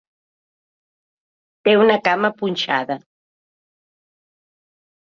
Té una cama punxada.